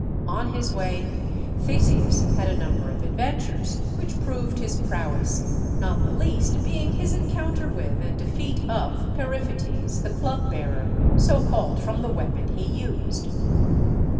On his way Theseus had a number of adventures which proved his prowess, not the least being his encounter with and defeat of Periphetes, the "club bearer," so called from the weapon he used.